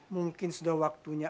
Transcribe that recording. mungkin sudah waktunya